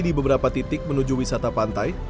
di beberapa titik menuju wisata pantai